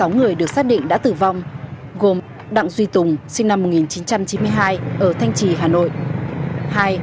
sáu người được xác định đã tử vong gồm đặng duy tùng sinh năm một nghìn chín trăm chín mươi hai ở thanh trì hà nội